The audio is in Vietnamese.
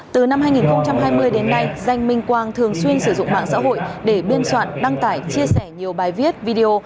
từ năm hai nghìn hai mươi đến nay danh minh quang thường xuyên sử dụng mạng xã hội để biên soạn đăng tải chia sẻ nhiều bài viết video